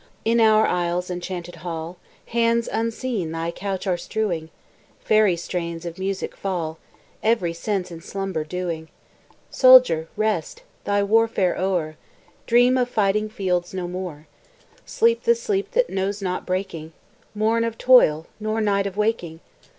In our isle's enchanted hall, Hands unseen thy couch are strewing, Fairy strains of music fall, Every sense in slumber dewing. Soldier, rest! thy warfare o'er, Dream of fighting fields no more: Sleep the sleep that knows not breaking, Morn of toil, nor night of waking.